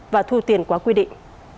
và thu tiền qua quy định